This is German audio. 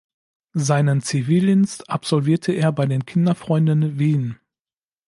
Seinen Zivildienst absolviert er bei den Kinderfreunden Wien.